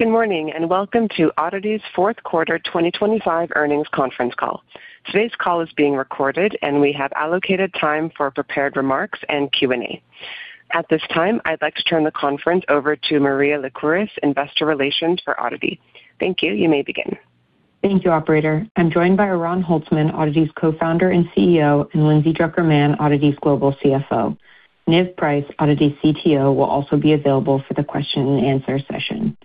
Good morning, welcome to ODDITY's Fourth Quarter 2025 Earnings Conference Call. Today's call is being recorded, and we have allocated time for prepared remarks and Q&A. At this time, I'd like to turn the conference over to Maria Lycouris Investor Relations for ODDITY. Thank you. You may begin. Thank you, operator. I'm joined by Oran Holtzman, ODDITY's Co-founder and CEO, and Lindsay Drucker Mann, ODDITY's Global CFO. Niv Price, ODDITY's CTO, will also be available for the question and answer session.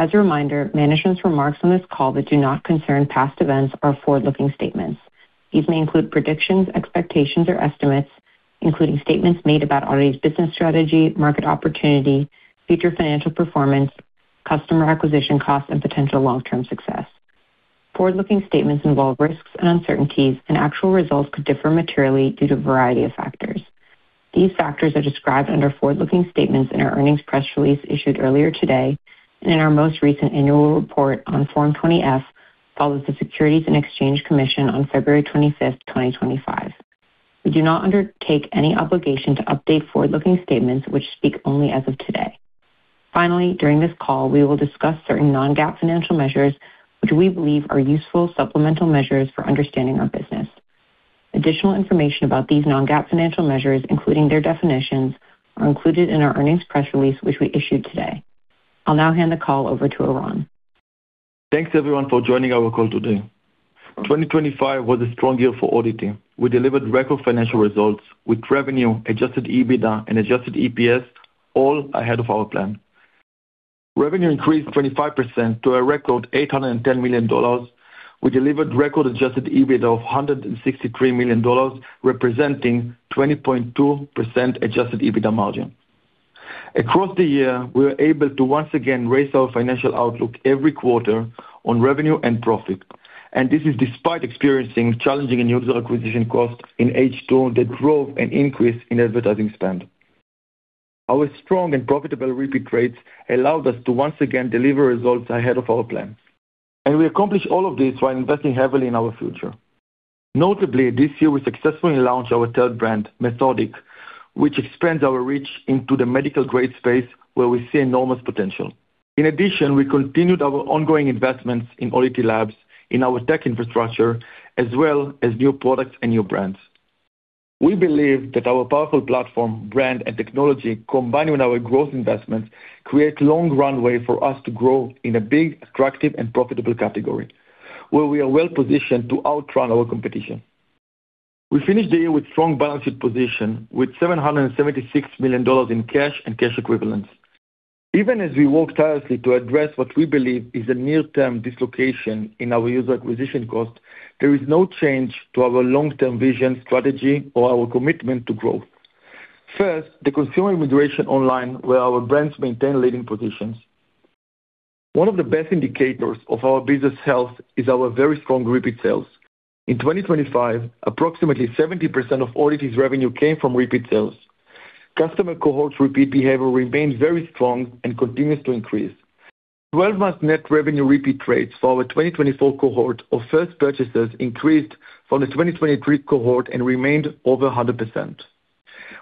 As a reminder, management's remarks on this call that do not concern past events are forward-looking statements. These may include predictions, expectations, or estimates, including statements made about ODDITY's business strategy, market opportunity, future financial performance, customer acquisition costs, and potential long-term success. Forward-looking statements involve risks and uncertainties, and actual results could differ materially due to a variety of factors. These factors are described under forward-looking statements in our earnings press release, issued earlier today, and in our most recent annual report on Form 20-F, filed with the Securities and Exchange Commission on February 25th, 2025. We do not undertake any obligation to update forward-looking statements which speak only as of today. Finally, during this call, we will discuss certain non-GAAP financial measures, which we believe are useful supplemental measures for understanding our business. Additional information about these non-GAAP financial measures, including their definitions, are included in our earnings press release, which we issued today. I'll now hand the call over to Oran. Thanks, everyone, for joining our call today. 2025 was a strong year for ODDITY. We delivered record financial results with revenue, adjusted EBITDA, and adjusted EPS, all ahead of our plan. Revenue increased 25% to a record $810 million. We delivered record adjusted EBITDA of $163 million, representing 20.2% adjusted EBITDA margin. Across the year, we were able to once again raise our financial outlook every quarter on revenue and profit. This is despite experiencing challenging user acquisition costs in H2 that drove an increase in advertising spend. Our strong and profitable repeat rates allowed us to once again deliver results ahead of our plan. We accomplished all of this while investing heavily in our future. Notably, this year, we successfully launched our third brand, METHODIQ, which expands our reach into the medical-grade space, where we see enormous potential. In addition, we continued our ongoing investments in ODDITY Labs, in our tech infrastructure, as well as new products and new brands. We believe that our powerful platform, brand, and technology, combined with our growth investments, create long runway for us to grow in a big, attractive, and profitable category, where we are well-positioned to outrun our competition. We finished the year with strong balance sheet position, with $776 million in cash and cash equivalents. Even as we work tirelessly to address what we believe is a near-term dislocation in our user acquisition cost, there is no change to our long-term vision, strategy, or our commitment to growth. First, the consumer migration online, where our brands maintain leading positions. One of the best indicators of our business health is our very strong repeat sales. In 2025, approximately 70% of ODDITY's revenue came from repeat sales. Customer cohorts repeat behavior remains very strong and continues to increase. 12-month net revenue repeat rates for our 2024 cohort of first purchasers increased from the 2023 cohort and remained over 100%.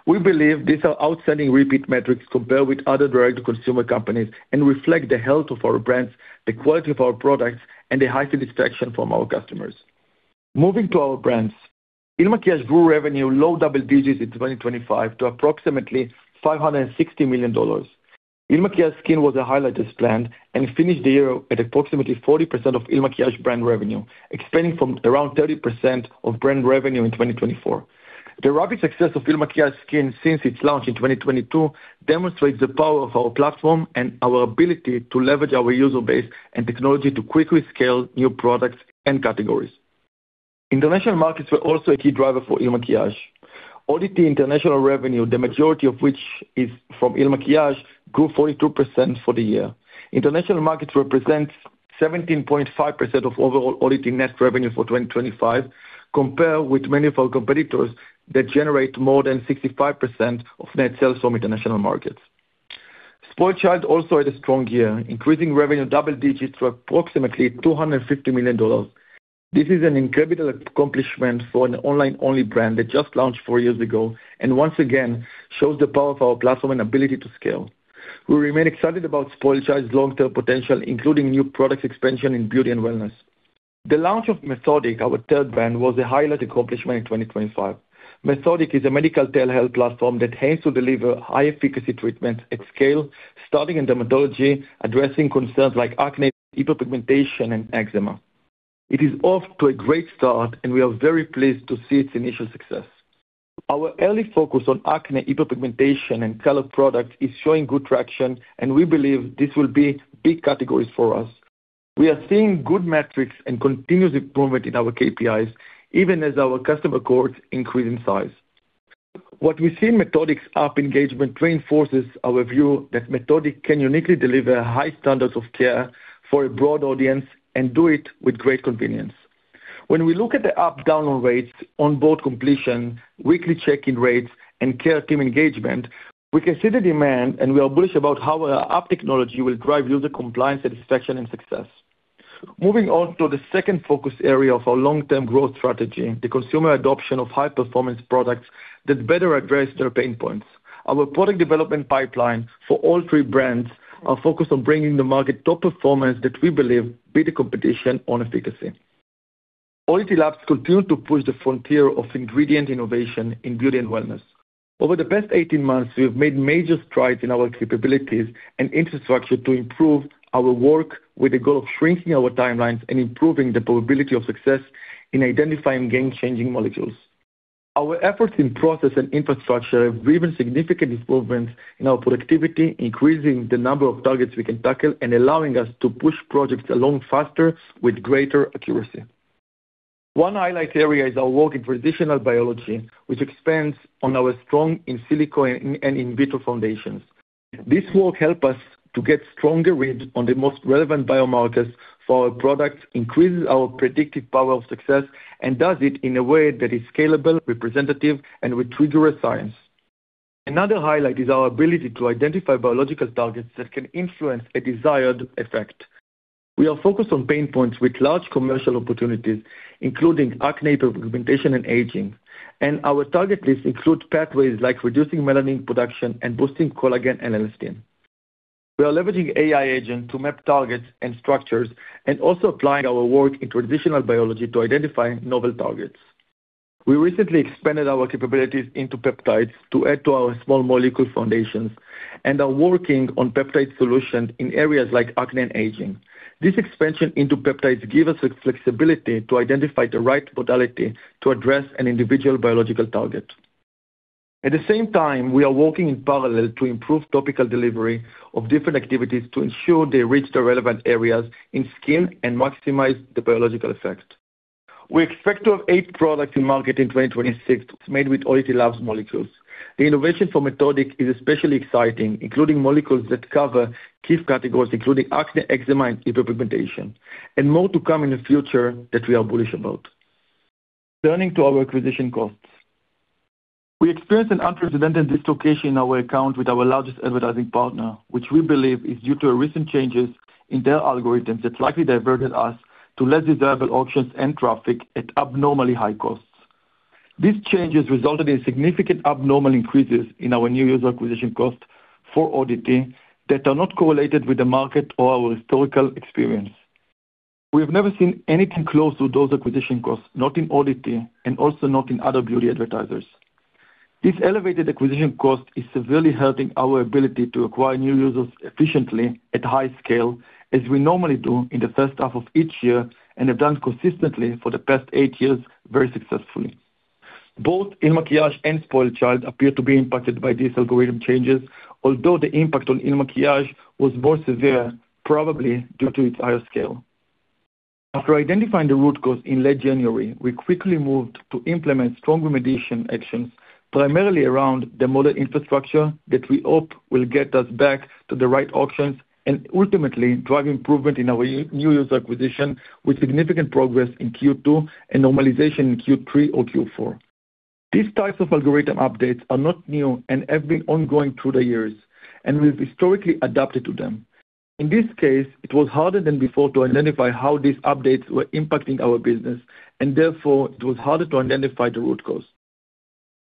We believe these are outstanding repeat metrics compared with other direct-to-consumer companies and reflect the health of our brands, the quality of our products, and the high satisfaction from our customers. Moving to our brands. IL MAKIAGE grew revenue low double digits in 2025 to approximately $560 million. IL MAKIAGE SKIN was a highlight as planned and finished the year at approximately 40% of IL MAKIAGE brand revenue, expanding from around 30% of brand revenue in 2024. The rapid success of IL MAKIAGE SKIN since its launch in 2022, demonstrates the power of our platform and our ability to leverage our user base and technology to quickly scale new products and categories. International markets were also a key driver for IL MAKIAGE. ODDITY international revenue, the majority of which is from IL MAKIAGE, grew 42% for the year. International markets represent 17.5% of overall ODDITY net revenue for 2025, compared with many of our competitors that generate more than 65% of net sales from international markets. SpoiledChild also had a strong year, increasing revenue double digits to approximately $250 million. This is an incredible accomplishment for an online-only brand that just launched four years ago and once again shows the power of our platform and ability to scale. We remain excited about SpoiledChild's long-term potential, including new products expansion in beauty and wellness. The launch of METHODIQ, our third brand, was a highlight accomplishment in 2025. METHODIQ is a medical telehealth platform that aims to deliver high-efficacy treatment at scale, starting in dermatology, addressing concerns like acne, hyperpigmentation, and eczema. It is off to a great start, and we are very pleased to see its initial success. Our early focus on acne, hyperpigmentation, and color products is showing good traction, and we believe this will be big categories for us. We are seeing good metrics and continuous improvement in our KPIs, even as our customer cohorts increase in size. What we see in METHODIQ's app engagement reinforces our view that METHODIQ can uniquely deliver high standards of care for a broad audience and do it with great convenience. When we look at the app download rates, onboard completion, weekly check-in rates, and care team engagement, we can see the demand, and we are bullish about how our app technology will drive user compliance, satisfaction, and success. Moving on to the second focus area of our long-term growth strategy, the consumer adoption of high-performance products that better address their pain points. Our product development pipeline for all three brands are focused on bringing the market top performance that we believe beat the competition on efficacy. ODDITY Labs continue to push the frontier of ingredient innovation in beauty and wellness. Over the past 18 months, we have made major strides in our capabilities and infrastructure to improve our work, with the goal of shrinking our timelines and improving the probability of success in identifying game-changing molecules. Our efforts in process and infrastructure have driven significant improvements in our productivity, increasing the number of targets we can tackle and allowing us to push projects along faster with greater accuracy. One highlight area is our work in traditional biology, which expands on our strong in silico and in vitro foundations. This work help us to get stronger reads on the most relevant biomarkers for our products, increases our predictive power of success, and does it in a way that is scalable, representative, and with rigorous science. Another highlight is our ability to identify biological targets that can influence a desired effect. We are focused on pain points with large commercial opportunities, including acne, hyperpigmentation, and aging, and our target list includes pathways like reducing melanin production and boosting collagen and elastin. We are leveraging AI agent to map targets and structures and also applying our work in traditional biology to identify novel targets. We recently expanded our capabilities into peptides to add to our small molecule foundations, and are working on peptide solutions in areas like acne and aging. This expansion into peptides give us the flexibility to identify the right modality to address an individual biological target. At the same time, we are working in parallel to improve topical delivery of different activities to ensure they reach the relevant areas in skin and maximize the biological effects. We expect to have eight products in market in 2026 made with ODDITY Labs molecules. The innovation for METHODIQ is especially exciting, including molecules that cover key categories, including acne, eczema, and hyperpigmentation, and more to come in the future that we are bullish about. Turning to our acquisition costs. We experienced an unprecedented dislocation in our account with our largest advertising partner, which we believe is due to recent changes in their algorithms that likely diverted us to less desirable auctions and traffic at abnormally high costs. These changes resulted in significant abnormal increases in our new user acquisition costs for IL MAKIAGE that are not correlated with the market or our historical experience. We have never seen anything close to those acquisition costs, not in IL MAKIAGE and also not in other beauty advertisers. This elevated acquisition cost is severely hurting our ability to acquire new users efficiently at high scale, as we normally do in the first half of each year, and have done consistently for the past eight years, very successfully. Both IL MAKIAGE and SpoiledChild appear to be impacted by these algorithm changes, although the impact on IL MAKIAGE was more severe, probably due to its higher scale. After identifying the root cause in late January, we quickly moved to implement strong remediation actions, primarily around the model infrastructure, that we hope will get us back to the right auctions and ultimately drive improvement in our new user acquisition, with significant progress in Q2 and normalization in Q3 or Q4. These types of algorithm updates are not new and have been ongoing through the years, and we've historically adapted to them. In this case, it was harder than before to identify how these updates were impacting our business, and therefore, it was harder to identify the root cause.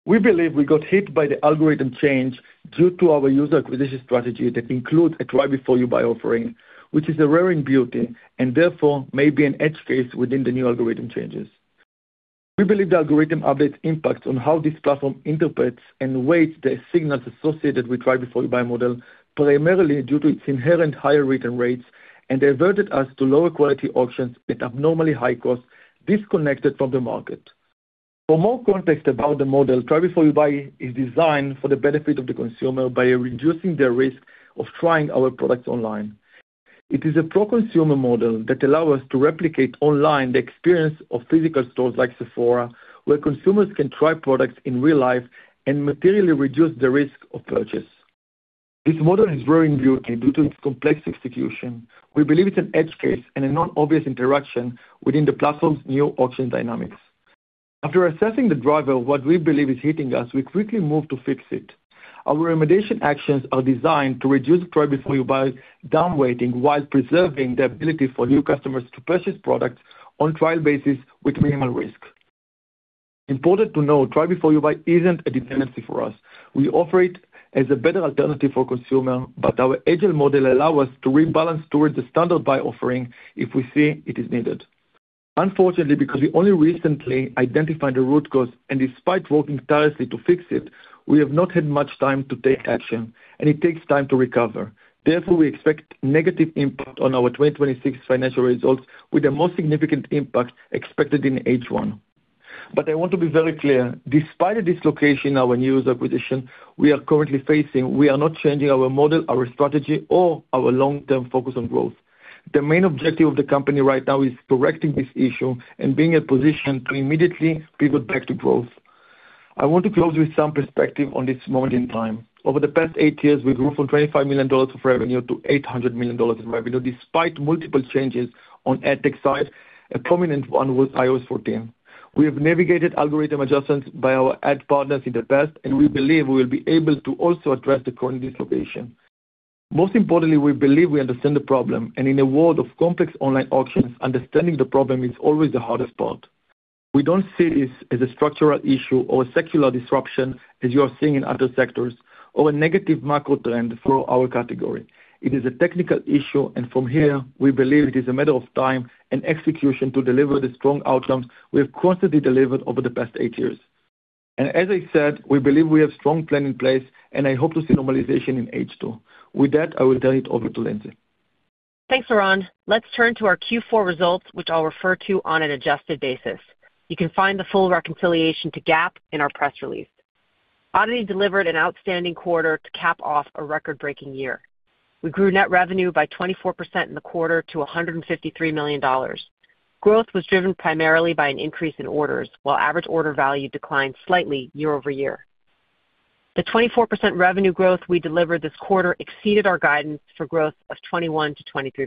We believe we got hit by the algorithm change due to our user acquisition strategy that includes a try before you buy offering, which is a rare in beauty, and therefore, may be an edge case within the new algorithm changes. We believe the algorithm updates impacts on how this platform interprets and weighs the signals associated with try before you buy model, primarily due to its inherent higher return rates, and diverted us to lower quality auctions at abnormally high costs, disconnected from the market. For more context about the model, try before you buy is designed for the benefit of the consumer by reducing the risk of trying our products online. It is a pro-consumer model that allow us to replicate online the experience of physical stores like Sephora, where consumers can try products in real life and materially reduce the risk of purchase. This model is growing beauty due to its complex execution. We believe it's an edge case and a non-obvious interaction within the platform's new auction dynamics. After assessing the driver of what we believe is hitting us, we quickly moved to fix it. Our remediation actions are designed to reduce try before you buy down weighting while preserving the ability for new customers to purchase products on trial basis with minimal risk. Important to note, try before you buy isn't a dependency for us. We offer it as a better alternative for consumer, but our agile model allow us to rebalance towards the standard buy offering if we see it is needed. Unfortunately, because we only recently identified the root cause, and despite working tirelessly to fix it, we have not had much time to take action, and it takes time to recover. Therefore, we expect negative impact on our 2026 financial results, with the most significant impact expected in H1. I want to be very clear, despite the dislocation in our new user acquisition we are currently facing, we are not changing our model, our strategy, or our long-term focus on growth. The main objective of the company right now is correcting this issue and being in a position to immediately pivot back to growth. I want to close with some perspective on this moment in time. Over the past 8 years, we've grown from $25 million of revenue to $800 million in revenue, despite multiple changes on ad tech side. A prominent one was iOS 14. We have navigated algorithm adjustments by our ad partners in the past, and we believe we will be able to also address the current dislocation. Most importantly, we believe we understand the problem, and in a world of complex online auctions, understanding the problem is always the hardest part. We don't see this as a structural issue or a secular disruption, as you are seeing in other sectors, or a negative macro trend for our category. It is a technical issue, and from here, we believe it is a matter of time and execution to deliver the strong outcomes we have constantly delivered over the past eight years. As I said, we believe we have strong plan in place, and I hope to see normalization in H2. With that, I will turn it over to Lindsay. Thanks, Oran. Let's turn to our Q4 results, which I'll refer to on an adjusted basis. You can find the full reconciliation to GAAP in our press release. ODDITY delivered an outstanding quarter to cap off a record-breaking year. We grew net revenue by 24% in the quarter to $153 million. Growth was driven primarily by an increase in orders, while average order value declined slightly year-over-year. The 24% revenue growth we delivered this quarter exceeded our guidance for growth of 21%-23%.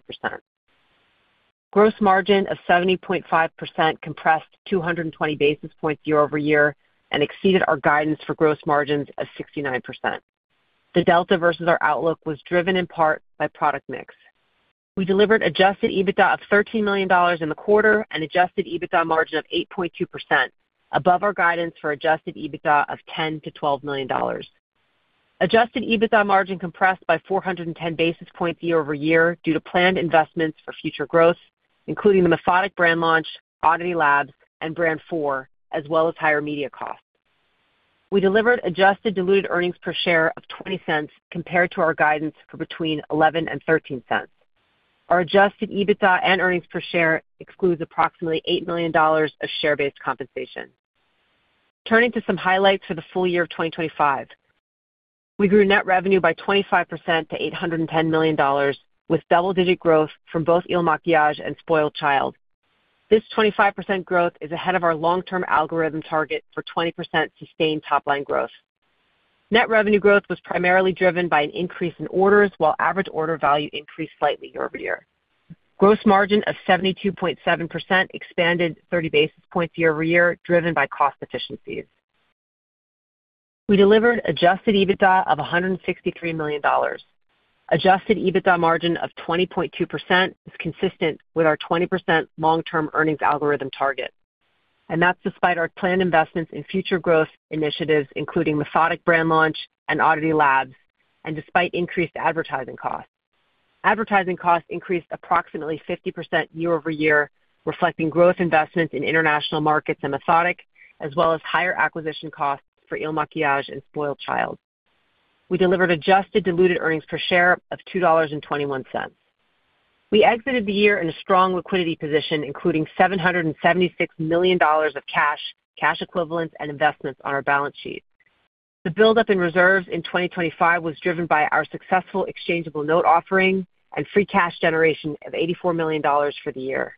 Gross margin of 70.5% compressed 220 basis points year-over-year and exceeded our guidance for gross margins of 69%. The delta versus our outlook was driven in part by product mix. We delivered adjusted EBITDA of $13 million in the quarter and adjusted EBITDA margin of 8.2%, above our guidance for adjusted EBITDA of $10 million-$12 million. Adjusted EBITDA margin compressed by 410 basis points year-over-year due to planned investments for future growth, including the METHODIQ brand launch, ODDITY Labs, and Brand 4, as well as higher media costs. We delivered adjusted diluted earnings per share of $0.20 compared to our guidance for between $0.11 and $0.13. Our adjusted EBITDA and earnings per share excludes approximately $8 million of share-based compensation. Turning to some highlights for the full year of 2025. We grew net revenue by 25% to $810 million, with double-digit growth from both IL MAKIAGE and SpoiledChild. This 25% growth is ahead of our long-term algorithm target for 20% sustained top-line growth. Net revenue growth was primarily driven by an increase in orders, while average order value increased slightly year over year. Gross margin of 72.7% expanded 30 basis points year over year, driven by cost efficiencies. We delivered adjusted EBITDA of $163 million. Adjusted EBITDA margin of 20.2% is consistent with our 20% long-term earnings algorithm target, and that's despite our planned investments in future growth initiatives, including METHODIQ brand launch and ODDITY Labs, and despite increased advertising costs. Advertising costs increased approximately 50% year over year, reflecting growth investments in international markets and METHODIQ, as well as higher acquisition costs for IL MAKIAGE and SpoiledChild. We delivered adjusted diluted earnings per share of $2.21. We exited the year in a strong liquidity position, including $776 million of cash equivalents, and investments on our balance sheet. The buildup in reserves in 2025 was driven by our successful exchangeable note offering and free cash generation of $84 million for the year.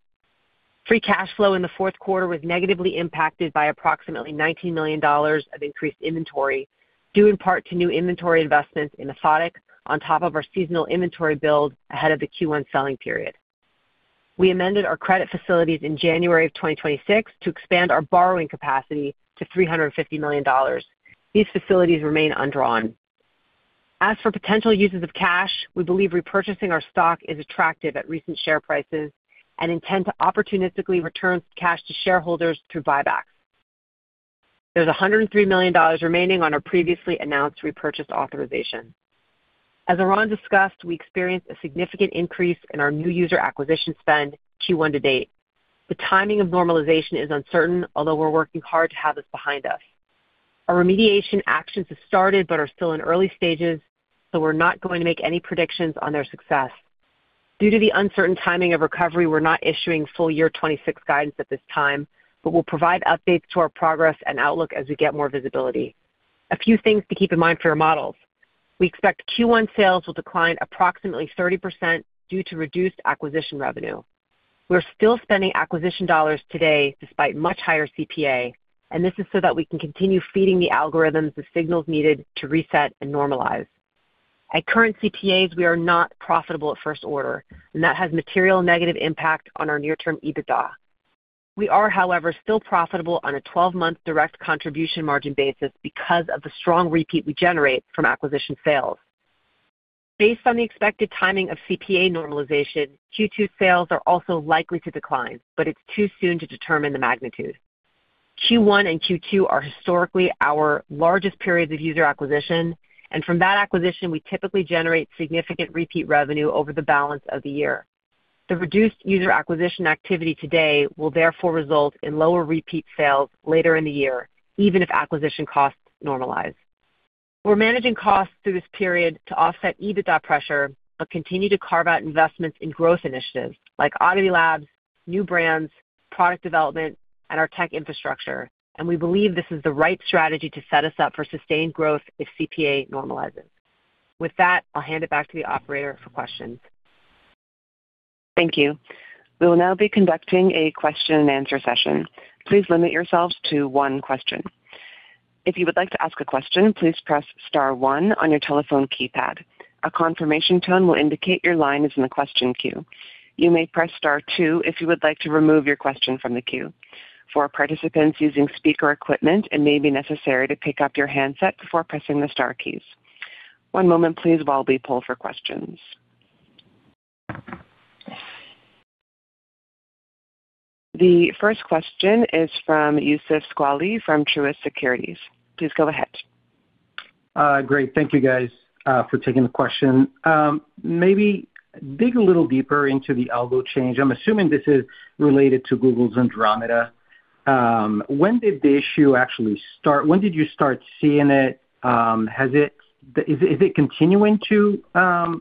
Free cash flow in the fourth quarter was negatively impacted by approximately $19 million of increased inventory, due in part to new inventory investments in METHODIQ, on top of our seasonal inventory build ahead of the Q1 selling period. We amended our credit facilities in January of 2026 to expand our borrowing capacity to $350 million. These facilities remain undrawn. As for potential uses of cash, we believe repurchasing our stock is attractive at recent share prices and intend to opportunistically return cash to shareholders through buybacks. There's $103 million remaining on our previously announced repurchase authorization. As Oran discussed, we experienced a significant increase in our new user acquisition spend Q1 to date. The timing of normalization is uncertain, although we're working hard to have this behind us. Our remediation actions have started but are still in early stages. We're not going to make any predictions on their success. Due to the uncertain timing of recovery, we're not issuing full year 2026 guidance at this time. We'll provide updates to our progress and outlook as we get more visibility. A few things to keep in mind for your models. We expect Q1 sales will decline approximately 30% due to reduced acquisition revenue. We're still spending acquisition dollars today despite much higher CPA. This is so that we can continue feeding the algorithms the signals needed to reset and normalize. At current CPAs, we are not profitable at first order. That has material negative impact on our near-term EBITDA. We are, however, still profitable on a 12-month direct contribution margin basis because of the strong repeat we generate from acquisition sales. Based on the expected timing of CPA normalization, Q2 sales are also likely to decline. It's too soon to determine the magnitude. Q1 and Q2 are historically our largest periods of user acquisition. From that acquisition, we typically generate significant repeat revenue over the balance of the year. The reduced user acquisition activity today will therefore result in lower repeat sales later in the year, even if acquisition costs normalize. We're managing costs through this period to offset EBITDA pressure, but continue to carve out investments in growth initiatives like ODDITY Labs, new brands, product development, and our tech infrastructure, and we believe this is the right strategy to set us up for sustained growth if CPA normalizes. With that, I'll hand it back to the operator for questions. Thank you. We will now be conducting a question-and-answer session. Please limit yourselves to one question. If you would like to ask a question, please press star one on your telephone keypad. A confirmation tone will indicate your line is in the question queue. You may press Star two if you would like to remove your question from the queue. For participants using speaker equipment, it may be necessary to pick up your handset before pressing the star keys. One moment please, while we pull for questions. The first question is from Youssef Squali from Truist Securities. Please go ahead. Great. Thank you, guys, for taking the question. Maybe dig a little deeper into the LTV change. I'm assuming this is related to Google's Andromeda. When did the issue actually start? When did you start seeing it? Is it continuing to worsen,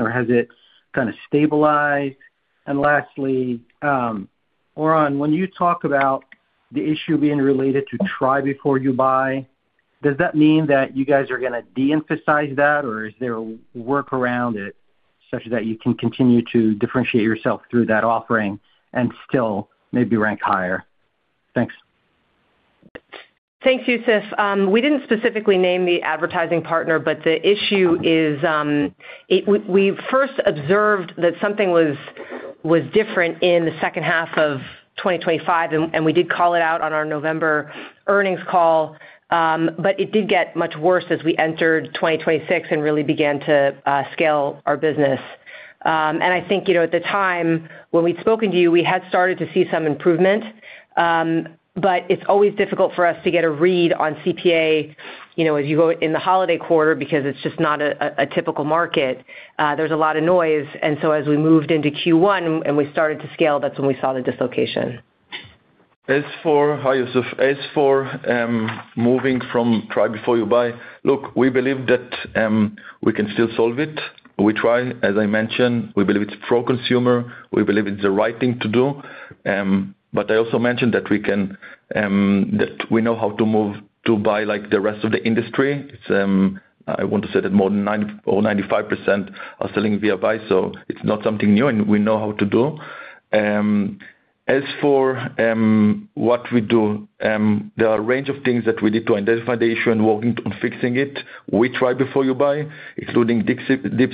or has it kind of stabilized? Lastly, Oran, when you talk about the issue being related to try before you buy, does that mean that you guys are going to de-emphasize that, or is there a work around it such that you can continue to differentiate yourself through that offering and still maybe rank higher? Thanks. Thanks, Youssef. We didn't specifically name the advertising partner, but the issue is, we first observed that something was different in the second half of 2025, and we did call it out on our November earnings call. It did get much worse as we entered 2026 and really began to scale our business. I think, you know, at the time when we'd spoken to you, we had started to see some improvement, but it's always difficult for us to get a read on CPA, you know, as you go in the holiday quarter, because it's just not a typical market. There's a lot of noise. As we moved into Q1 and we started to scale, that's when we saw the dislocation. As for. Hi, Youssef. As for moving from try before you buy, look, we believe that we can still solve it. We try. As I mentioned, we believe it's pro-consumer. We believe it's the right thing to do. I also mentioned that we can that we know how to move to buy like the rest of the industry. It's I want to say that more than 9% or 95% are selling via buy, so it's not something new, and we know how to do. As for what we do, there are a range of things that we did to identify the issue and working on fixing it. We try before you buy, including deep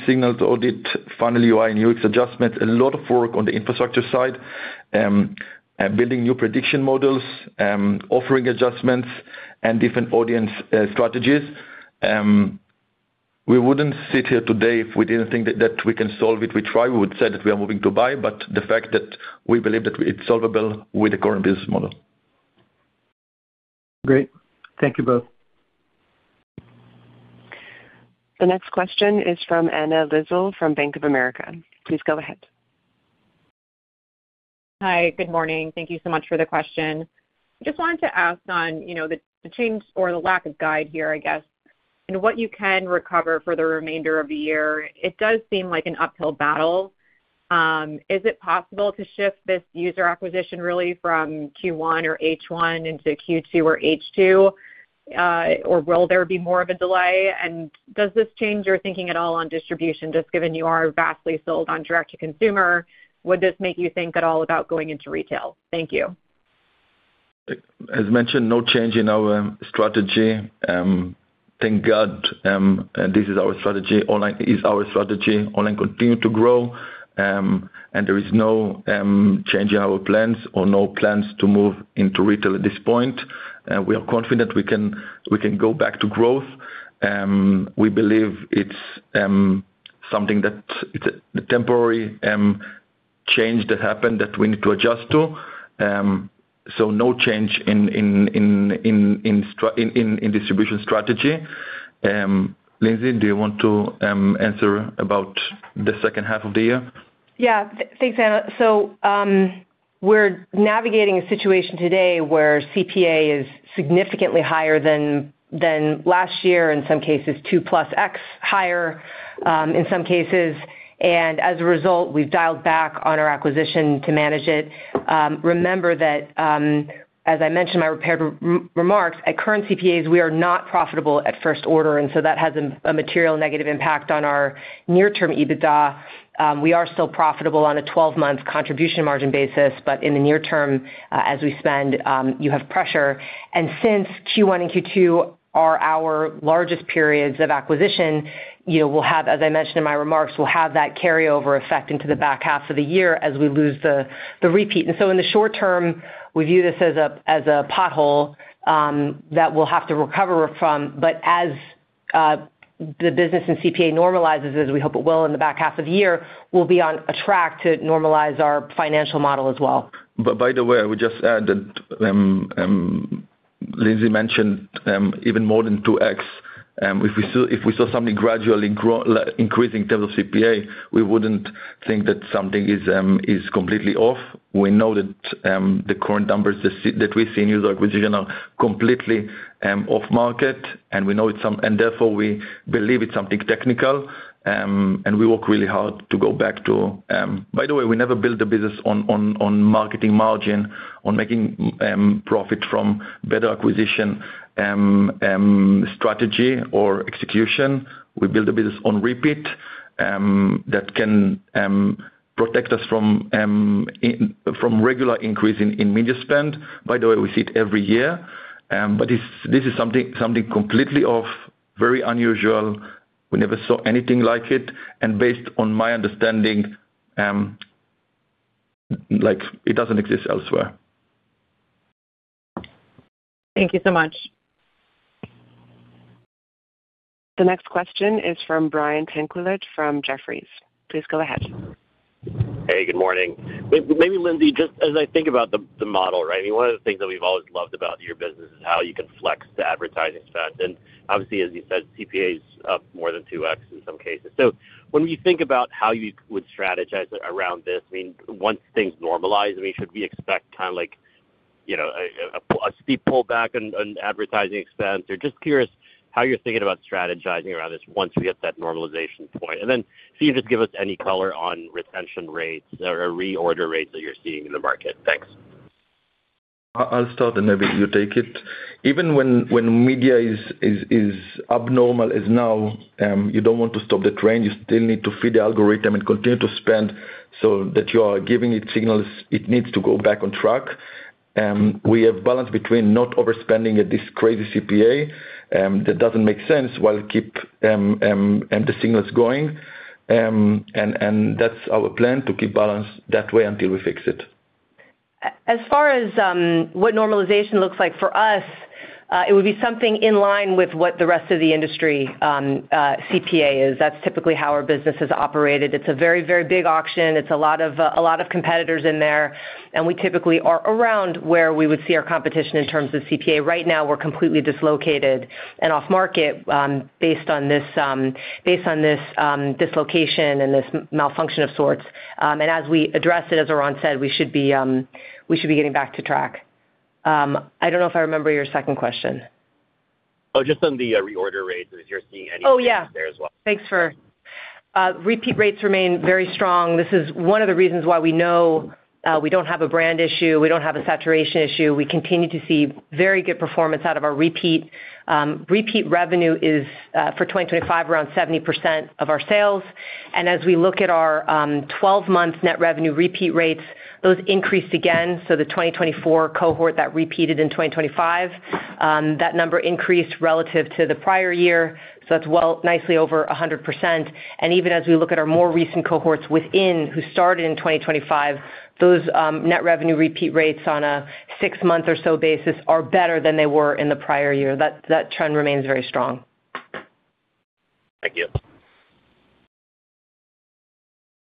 signals, audit, funnel UI, and UX adjustments. A lot of work on the infrastructure side, and building new prediction models, offering adjustments and different audience strategies. We wouldn't sit here today if we didn't think that we can solve it. We try. We would say that we are moving to buy, but the fact that we believe that it's solvable with the current business model. Great. Thank you both. The next question is from Anna Lizzul from Bank of America. Please go ahead. Hi, good morning. Thank you so much for the question. Just wanted to ask on, you know, the change or the lack of guide here, I guess, and what you can recover for the remainder of the year. It does seem like an uphill battle. Is it possible to shift this user acquisition really from Q1 or H1 into Q2 or H2, or will there be more of a delay? Does this change your thinking at all on distribution, just given you are vastly sold on direct to consumer, would this make you think at all about going into retail? Thank you. As mentioned, no change in our strategy. Thank God, this is our strategy. Online is our strategy. Online continue to grow, and there is no change in our plans or no plans to move into retail at this point. We are confident we can go back to growth. We believe it's something that, it's a temporary change that happened that we need to adjust to. No change in distribution strategy. Lindsay, do you want to answer about the second half of the year? Thanks, Anna. We're navigating a situation today where CPA is significantly higher than last year, in some cases 2+X higher in some cases. As a result, we've dialed back on our acquisition to manage it. Remember that, as I mentioned in my prepared remarks, at current CPAs, we are not profitable at first order. That has a material negative impact on our near-term EBITDA. We are still profitable on a 12-month contribution margin basis, but in the near term, as we spend, you have pressure. Since Q1 and Q2 are our largest periods of acquisition, you know, we'll have, as I mentioned in my remarks, we'll have that carryover effect into the back half of the year as we lose the repeat. In the short term, we view this as a, as a pothole, that we'll have to recover from. As the business and CPA normalizes, as we hope it will in the back half of the year, we'll be on a track to normalize our financial model as well. By the way, I would just add that Lindsay mentioned even more than 2x, if we saw something gradually grow, increasing in terms of CPA, we wouldn't think that something is completely off. We know that the current numbers that we see in user acquisition are completely off market. Therefore, we believe it's something technical, and we work really hard to go back to. By the way, we never built a business on marketing margin, on making profit from better acquisition strategy or execution. We build a business on repeat that can protect us from regular increase in media spend. By the way, we see it every year, this is something completely off, very unusual. We never saw anything like it, based on my understanding, like, it doesn't exist elsewhere. Thank you so much. The next question is from Brian Tanquilut from Jefferies. Please go ahead. Hey, good morning. Maybe, Lindsay, just as I think about the model, right? One of the things that we've always loved about your business is how you can flex the advertising spend. Obviously, as you said, CPA is up more than 2x in some cases. When we think about how you would strategize around this, I mean, once things normalize, I mean, should we expect kind of like, you know, a steep pullback on advertising expense? Just curious how you're thinking about strategizing around this once we get to that normalization point. See if you just give us any color on retention rates or reorder rates that you're seeing in the market. Thanks. I'll start, and maybe you take it. Even when media is abnormal, as now, you don't want to stop the train. You still need to feed the algorithm and continue to spend so that you are giving it signals it needs to go back on track. We have balanced between not overspending at this crazy CPA, that doesn't make sense, while keep and the signals going. That's our plan, to keep balance that way until we fix it. As far as what normalization looks like for us, it would be something in line with what the rest of the industry CPA is. That's typically how our business is operated. It's a very, very big auction. It's a lot of, a lot of competitors in there, and we typically are around where we would see our competition in terms of CPA. Right now, we're completely dislocated and off market, based on this, based on this dislocation and this malfunction of sorts. As we address it, as Oran said, we should be getting back to track. I don't know if I remember your second question. Just on the reorder rates, if you're seeing any. Oh, yeah. there as well. Thanks for. Repeat rates remain very strong. This is one of the reasons why we know, we don't have a brand issue, we don't have a saturation issue. We continue to see very good performance out of our repeat. Repeat revenue is for 2025, around 70% of our sales, as we look at our 12-month net revenue repeat rates, those increased again. The 2024 cohort that repeated in 2025, that number increased relative to the prior year, so that's well, nicely over 100%. Even as we look at our more recent cohorts within, who started in 2025, those net revenue repeat rates on a six-month or so basis are better than they were in the prior year. That trend remains very strong. Thank you.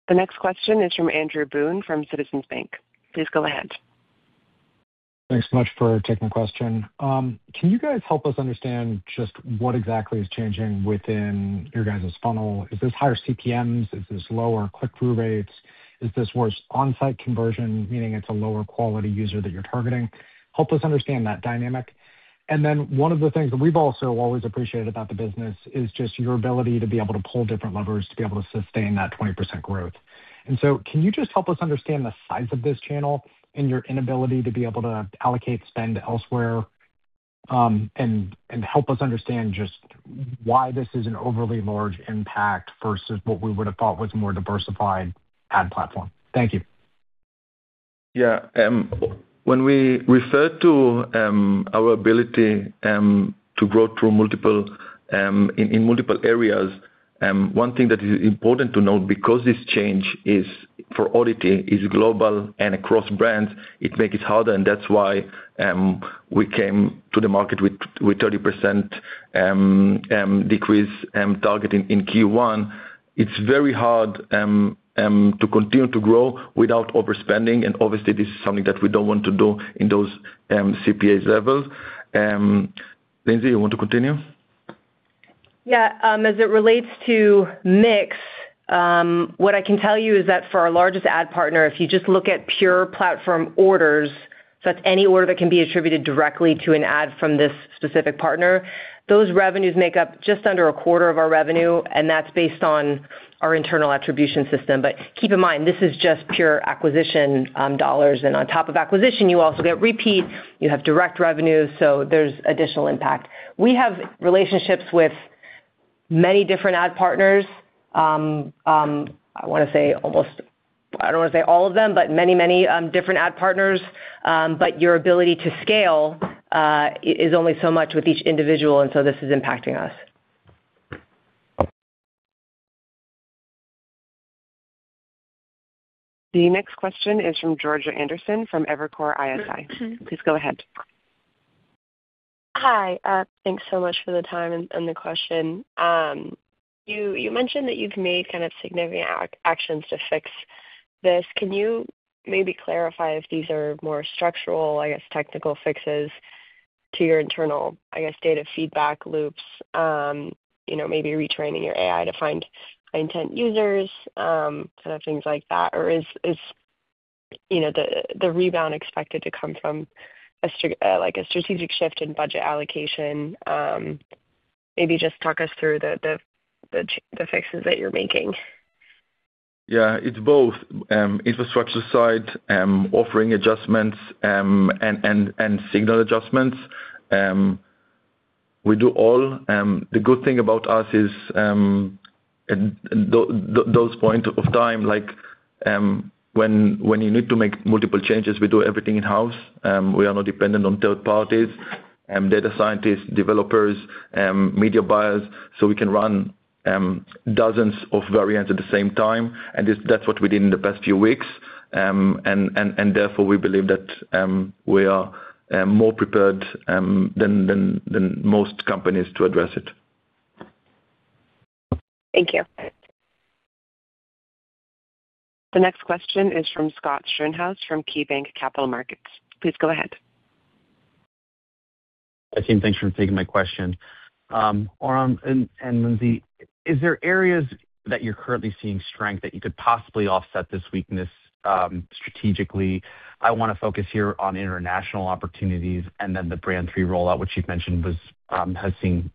The next question is from Andrew Boone, from Citizens Bank. Please go ahead. Thanks so much for taking the question. Can you guys help us understand just what exactly is changing within your guys' funnel? Is this higher CPMs? Is this lower click-through rates? Is this worse on-site conversion, meaning it's a lower quality user that you're targeting? Help us understand that dynamic. Then one of the things that we've also always appreciated about the business is just your ability to be able to pull different levers to be able to sustain that 20% growth. So can you just help us understand the size of this channel and your inability to be able to allocate spend elsewhere, and help us understand just why this is an overly large impact versus what we would have thought was a more diversified ad platform? Thank you. When we refer to our ability to grow through multiple in multiple areas, one thing that is important to note, because this change is for auditing, is global and across brands, it makes it harder, and that's why we came to the market with 30% decrease targeting in Q1. It's very hard to continue to grow without overspending, and obviously, this is something that we don't want to do in those CPA levels. Lindsay, you want to continue? Yeah. As it relates to mix, what I can tell you is that for our largest ad partner, if you just look at pure platform orders, so that's any order that can be attributed directly to an ad from this specific partner, those revenues make up just under a quarter of our revenue, and that's based on our internal attribution system. Keep in mind, this is just pure acquisition dollars, and on top of acquisition, you also get repeats, you have direct revenues, so there's additional impact. We have relationships with many different ad partners. I don't want to say all of them, but many different ad partners. Your ability to scale is only so much with each individual, and so this is impacting us. The next question is from Georgia Anderson from Evercore ISI. Please go ahead. Hi, thanks so much for the time and the question. You mentioned that you've made kind of significant actions to fix this. Can you maybe clarify if these are more structural, I guess, technical fixes to your internal, I guess, data feedback loops, you know, maybe retraining your AI to find high intent users, sort of things like that? Or is, you know, the rebound expected to come from like a strategic shift in budget allocation? Maybe just talk us through the fixes that you're making. Yeah, it's both, infrastructure side, offering adjustments, and signal adjustments. We do all. The good thing about us is, those point of time, like, when you need to make multiple changes, we do everything in-house. We are not dependent on third parties, data scientists, developers, media buyers, so we can run dozens of variants at the same time, and that's what we did in the past few weeks. Therefore, we believe that we are more prepared than most companies to address it. Thank you. The next question is from Scott Schoenhaus, from KeyBanc Capital Markets. Please go ahead. Hi, team. Thanks for taking my question. Oran and Lindsay, is there areas that you're currently seeing strength that you could possibly offset this weakness strategically? I want to focus here on international opportunities and then the brand three rollout, which you've mentioned was, has seen,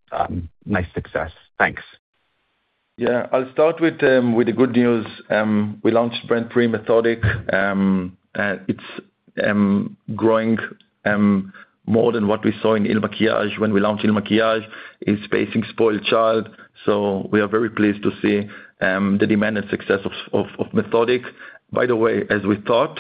nice success. Thanks. Yeah. I'll start with the good news. We launched brand three, METHODIQ, and it's growing more than what we saw in IL MAKIAGE when we launched IL MAKIAGE. It's facing SpoiledChild. We are very pleased to see the demand and success of METHODIQ. By the way, as we thought,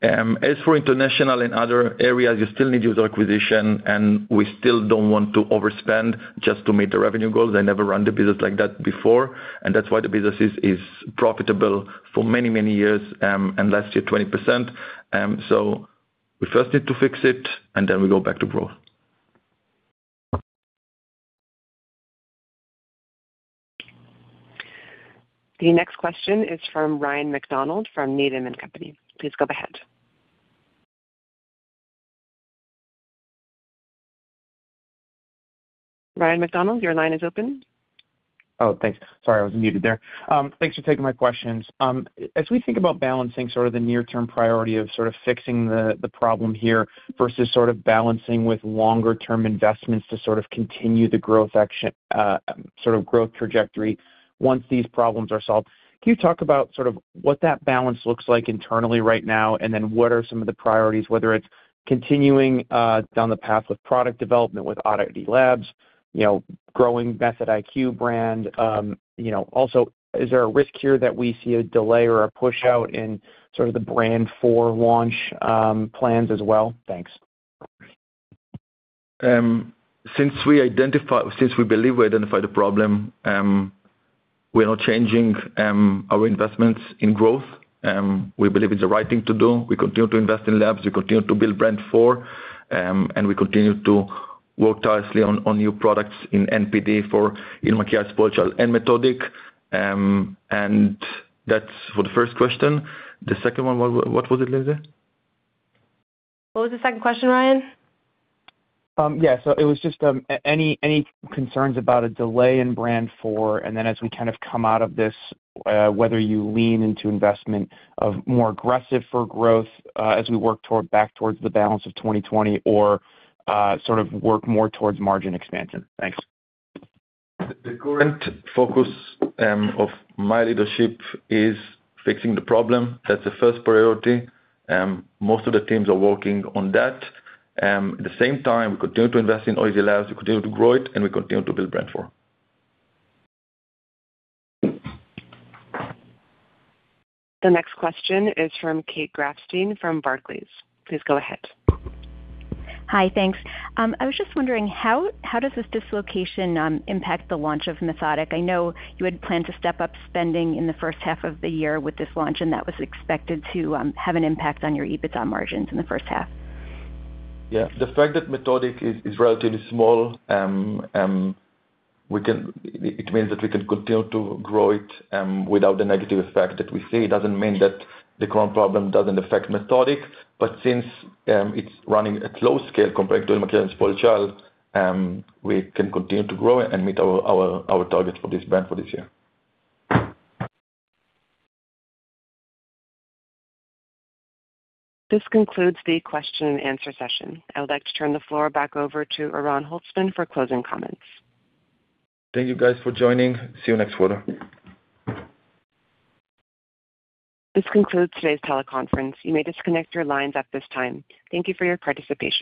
as for international and other areas, you still need user acquisition, and we still don't want to overspend just to meet the revenue goals. I never run the business like that before, and that's why the business is profitable for many, many years, and last year, 20%. We first need to fix it, and then we go back to growth. The next question is from Ryan MacDonald from Needham & Company. Please go ahead. Ryan MacDonald, your line is open. Thanks. Sorry, I was muted there. Thanks for taking my questions. As we think about balancing sort of the near-term priority of sort of fixing the problem here versus sort of balancing with longer-term investments to sort of continue the growth action, sort of growth trajectory once these problems are solved, can you talk about sort of what that balance looks like internally right now? What are some of the priorities, whether it's continuing down the path with product development, with ODDITY Labs, you know, growing METHODIQ brand, you know. Is there a risk here that we see a delay or a pushout in sort of the Brand 4 launch plans as well? Thanks. Since we believe we identified the problem, we're not changing our investments in growth. We believe it's the right thing to do. We continue to invest in labs, we continue to build Brand 4, and we continue to work tirelessly on new products in NPD for IL MAKIAGE, SpoiledChild, and METHODIQ. That's for the first question. The second one, what was it, Lindsay? What was the second question, Ryan? Yeah, it was just, any concerns about a delay in Brand 4, and then as we kind of come out of this, whether you lean into investment of more aggressive for growth, as we work back towards the balance of 2020 or, sort of work more towards margin expansion. Thanks. The current focus of my leadership is fixing the problem. That's the first priority, most of the teams are working on that. At the same time, we continue to invest in ODDITY Labs, we continue to grow it, and we continue to build Brand 4. The next question is from Kate Grafstein from Barclays. Please go ahead. Hi, thanks. I was just wondering, how does this dislocation impact the launch of METHODIQ? I know you had planned to step up spending in the first half of the year with this launch, and that was expected to have an impact on your EBITDA margins in the first half. Yeah. The fact that METHODIQ is relatively small, it means that we can continue to grow it, without the negative effect that we see. It doesn't mean that the current problem doesn't affect METHODIQ, but since it's running at low scale compared to IL MAKIAGE SpoiledChild, we can continue to grow and meet our, our targets for this brand for this year. This concludes the question and answer session. I would like to turn the floor back over to Oran Holtzman for closing comments. Thank you, guys, for joining. See you next quarter. This concludes today's teleconference. You may disconnect your lines at this time. Thank you for your participation.